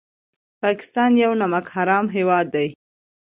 پاکستان یو نمک حرام هېواد دی